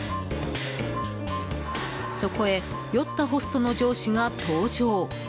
そこへ酔ったホストの上司が登場。